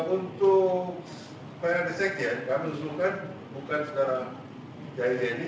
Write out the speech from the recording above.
untuk pnsj kami usulkan bukan pada pak yaya jaini